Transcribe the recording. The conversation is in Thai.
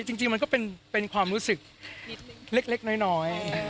จริงมันก็เป็นความรู้สึกเล็กน้อย